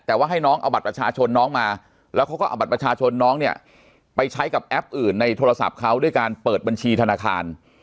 แต่ว่าให้น้องเอาบัตรประชาชนน้องมาแล้วเขาก็เอาบัตรประชาชนน้องเนี่ยไปใช้กับแอปอื่นในโทรศัพท์เขาด้วยการเปิดบัญชีธนาคาร